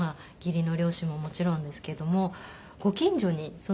義理の両親ももちろんですけどもご近所に。